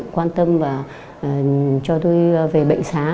quan tâm cho tôi về bệnh xá